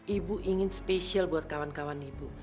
ibu ingin spesial buat kawan kawan ibu